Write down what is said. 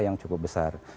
yang cukup besar